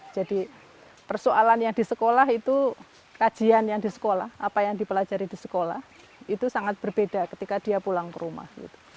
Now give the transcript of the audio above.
jadi persoalan yang di sekolah itu kajian yang di sekolah apa yang dipelajari di sekolah itu sangat berbeda ketika dia pulang ke rumah